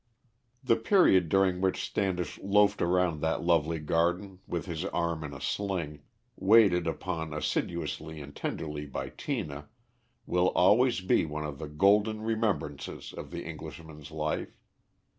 The period during which Standish loafed around that lovely garden with his arm in a sling, waited upon assiduously and tenderly by Tina, will always be one of the golden remembrances of the Englishman's life.